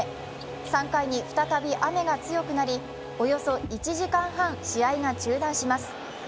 ３回に再び雨が強くなりおよそ１時間半、試合が中断します。